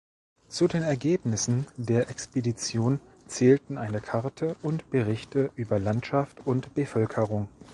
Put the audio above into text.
Zu den Ergebnissen der Expedition zählten eine Karte und Berichte über Landschaft und Bevölkerung.